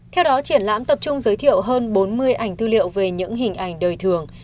theo đó triển lãm tập trung giới thiệu hơn bốn mươi ảnh tư liệu về những hình ảnh đời thường